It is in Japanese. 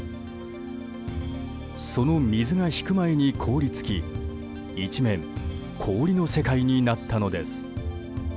その水が引く前に凍り付き一面、氷の世界になったのです。